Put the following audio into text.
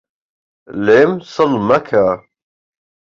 لێم سڵ مەکە